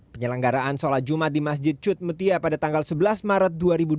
penyelenggaraan sholat jumat di masjid cutmutia pada tanggal sebelas maret dua ribu dua puluh